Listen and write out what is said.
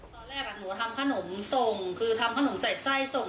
ตอนแรกหนูทำขนมส่งคือทำขนมใส่ไส้ส่ง